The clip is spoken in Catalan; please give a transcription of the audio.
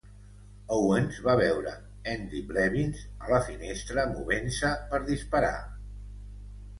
Owens va veure Andy Blevins a la finestra movent-se per disparar.